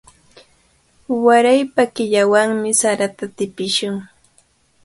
Waraypa killawanmi sarata tipishun.